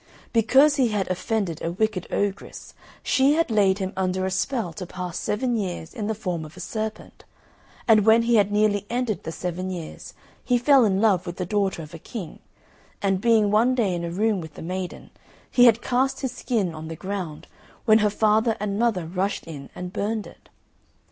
Because he had offended a wicked ogress, she had laid him under a spell to pass seven years in the form of a serpent; and when he had nearly ended the seven years, he fell in love with the daughter of a King, and being one day in a room with the maiden, he had cast his skin on the ground, when her father and mother rushed in and burned it.